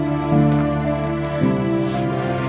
aku mau denger